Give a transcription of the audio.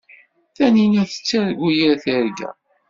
Tanina tettargu yir tirga.